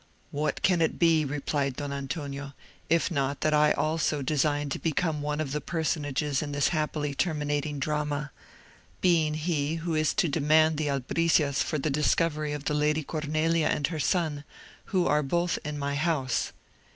"What can it be," replied Don Antonio, "if not that I also design to become one of the personages in this happily terminating drama, being he who is to demand the albricias for the discovery of the Lady Cornelia and her son, who are both in my house."